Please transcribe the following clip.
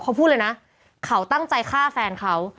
เขาพูดเลยนะเขาตั้งใจฆ่าแฟนเขา